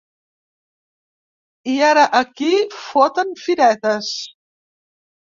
I ara aquí foten firetes.